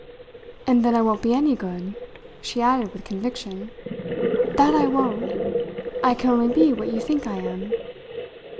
"And then I won't be any good," she added with conviction. "That I won't! I can only be what you think I am."